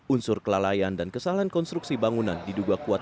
unsur kelalaian dan kesalahan konstruksi bangunan diduga kuat